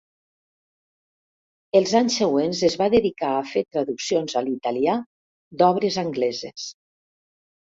Els anys següents es va dedicar a fer traduccions a l'italià d'obres angleses.